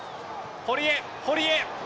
堀江、堀江。